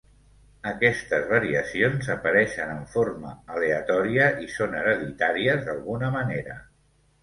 Aquestes variacions apareixen en forma aleatòria i són hereditàries d'alguna manera.